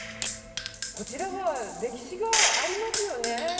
こちらは歴史がありますよね。